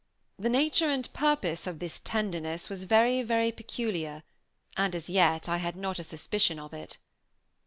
The nature and purpose of this tenderness was very, very peculiar, and as yet I had not a suspicion of it.